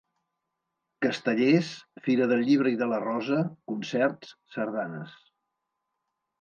Castellers, fira del llibre i de la rosa, concerts, sardanes.